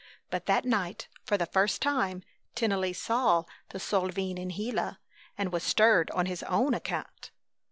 But that night for the first time Tennelly saw the Solveig in Gila, and was stirred on his own account.